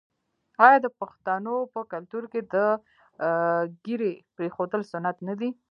آیا د پښتنو په کلتور کې د ږیرې پریښودل سنت نه دي؟